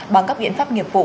bằng các biện pháp nghiệp vụ